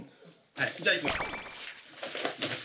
じゃあいきます。